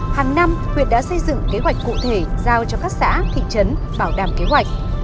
hàng năm huyện đã xây dựng kế hoạch cụ thể giao cho các xã thị trấn bảo đảm kế hoạch